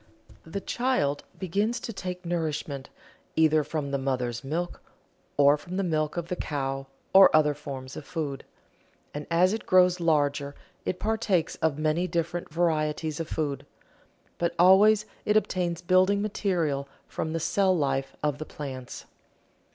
The child begins to take nourishment either from the mother's milk or from the milk of the cow, or other forms of food. And as it grows larger it partakes of many different varieties of food. But always it obtains building material from the cell life of the plants.